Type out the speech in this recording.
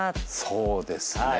そうですね。